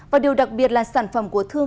và điều đặc biệt là sản phẩm của thương